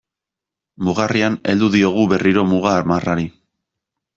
Mugarrian heldu diogu berriro muga marrari.